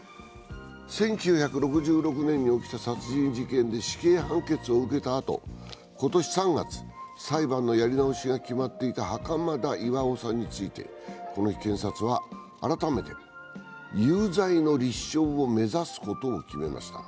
１９６６年に起きた殺人事件で死刑判決を受けたあと今年３月、裁判のやり直しが決まっていた袴田巌さんについてこの日、検察は、改めて有罪の立証を目指すことを決めました。